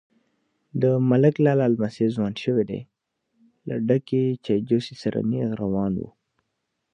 _د ملک لالا لمسی ځوان شوی دی، له ډکې چايجوشې سره نيغ روان و.